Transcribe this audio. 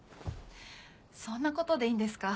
そんなことでいいんですか？